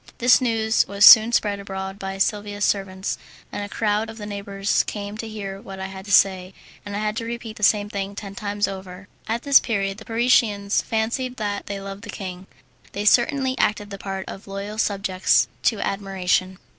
This news was soon spread abroad by Silvia's servants, and a crowd of the neighbours came to hear what I had to say, and I had to repeat the same thing ten times over. At this period the Parisians fancied that they loved the king. They certainly acted the part of loyal subjects to admiration.